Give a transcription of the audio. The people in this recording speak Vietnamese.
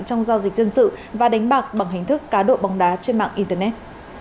trong giao dịch dân sự và đánh bạc bằng hình thức cá độ bóng đá trên mạng internet